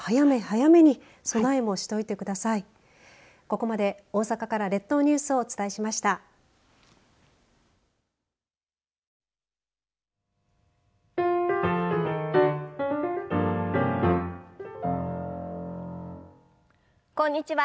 こんにちは。